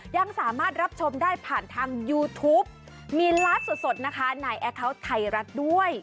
ยังสามารถรับชมได้ผ่านทางยูทูปมีไลฟ์สดนะคะในแอคเคาน์ไทยรัฐด้วย